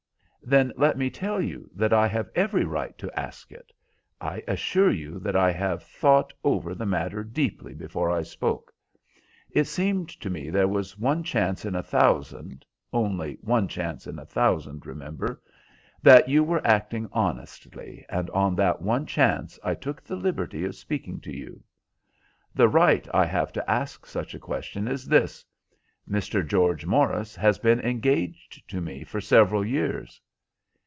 Then let me tell you that I have every right to ask it. I assure you that I have thought over the matter deeply before I spoke. It seemed to me there was one chance in a thousand—only one chance in a thousand, remember—that you were acting honestly, and on that one chance I took the liberty of speaking to you. The right I have to ask such a question is this—Mr. George Morris has been engaged to me for several years."